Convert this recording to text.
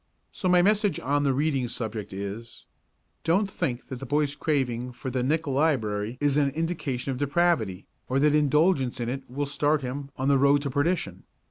So my message on the reading subject is, don't think that the boy's craving for the nickel library is an indication of depravity, or that indulgence in it will start him on the road to perdition.